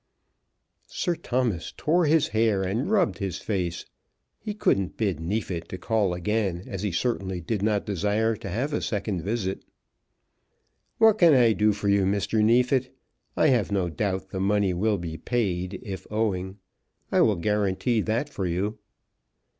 Sir Thomas tore his hair and rubbed his face. He couldn't bid Neefit to call again, as he certainly did not desire to have a second visit. "What can I do for you, Mr. Neefit? I have no doubt the money will be paid, if owing. I will guarantee that for you."